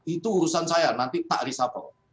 itu urusan saya nanti tak resapel